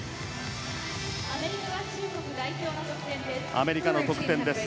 アメリカの得点です。